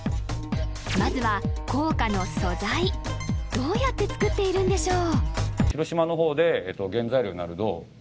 まずは硬貨の素材どうやってつくっているんでしょう？